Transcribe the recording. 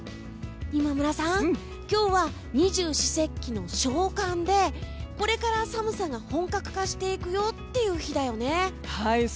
今村さん、今日は二十四節気の小寒でこれから寒さが本格化していくよっていう日だよね。